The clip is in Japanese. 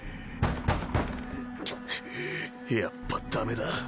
やっぱダメだ。